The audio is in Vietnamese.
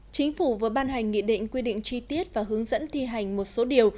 chính phủ vừa ban hành nghị định quy định chi tiết và hướng dẫn thi hành một số điều